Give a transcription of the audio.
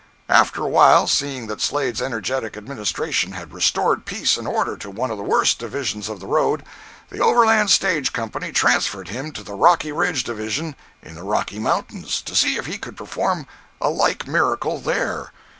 After awhile, seeing that Slade's energetic administration had restored peace and order to one of the worst divisions of the road, the overland stage company transferred him to the Rocky Ridge division in the Rocky Mountains, to see if he could perform a like miracle there.